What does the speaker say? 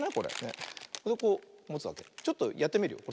ちょっとやってみるよ。